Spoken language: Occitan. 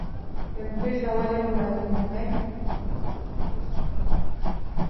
Dempús d’auer demorat un moment, eth joen passèc ena pèça pròcha.